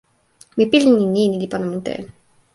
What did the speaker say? mi pilin e ni: ni li pona mute.